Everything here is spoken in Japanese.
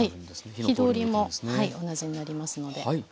火通りも同じになりますので。